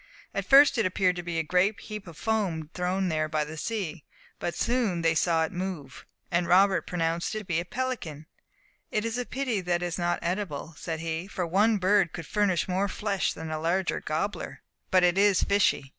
At first it appeared to be a great heap of foam thrown there by the sea, but soon they saw it move, and Robert pronounced it to be a pelican. "It is a pity that it is not eatable," said he, "for one bird would furnish more flesh than a larger gobbler. But it is fishy."